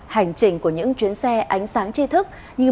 hành trình của những chuyến xe ánh sáng chi thức như